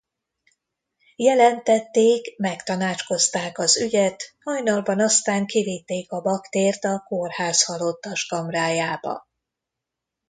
Jelentették, megtanácskozták az ügyet, hajnalban aztán kivitték a baktért a kórház halottaskamrájába.